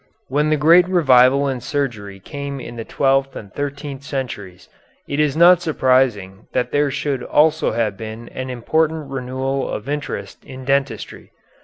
When the great revival in surgery came in the twelfth and thirteenth centuries it is not surprising that there should also have been an important renewal of interest in dentistry.